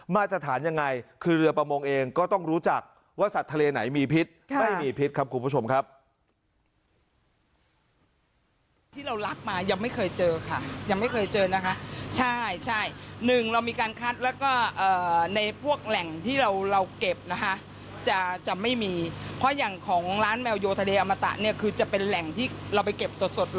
มาตรฐานยังไงคือเรือประมงเองก็ต้องรู้จักว่าสัตว์ทะเลไหนมีพิษไม่มีพิษครับคุณผู้ชมครับ